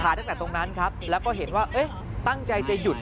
ตั้งแต่ตรงนั้นครับแล้วก็เห็นว่าเอ๊ะตั้งใจจะหยุด